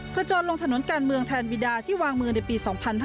กระจ่อนลงถนนกาลเมืองแทนวีดาที่วางเมืองในปี๒๕๕๐